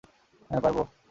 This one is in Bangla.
হ্যাঁ, পারব।